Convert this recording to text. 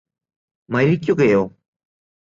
മരിക്കുകയോ